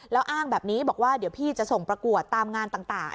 แล้วอ้างแบบนี้บอกว่าเดี๋ยวพี่จะส่งประกวดตามงานต่าง